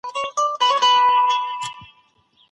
هغه د خپلو سرتېرو روحیه تل لوړه ساتله.